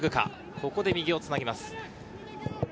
ここで右をつなぎます。